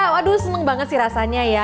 aduh seneng banget sih rasanya ya